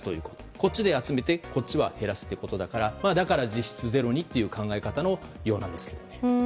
こっちで集めてこっちは減らすということだからだから実質ゼロにという考え方のようです。